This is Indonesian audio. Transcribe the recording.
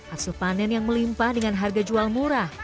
hasil panen yang melimpah dengan harga jual murah